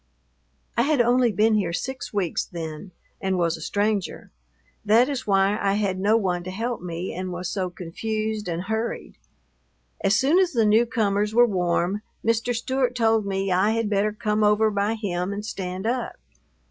I had only been here six weeks then, and was a stranger. That is why I had no one to help me and was so confused and hurried. As soon as the newcomers were warm, Mr. Stewart told me I had better come over by him and stand up.